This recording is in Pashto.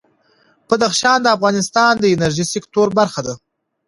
بدخشان د افغانستان د انرژۍ سکتور برخه ده.